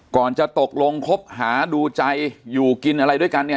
ก่อนจะตกลงคบหาดูใจอยู่กินอะไรด้วยกันเนี่ย